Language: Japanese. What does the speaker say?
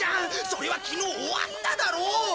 それは昨日終わっただろ？